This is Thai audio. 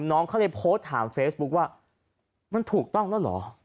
น้องเขาเลยโพสต์ถามเฟซบุ๊คว่ามันถูกต้องแล้วเหรอ